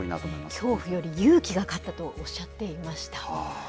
恐怖より勇気が勝ったとおっしゃっていました。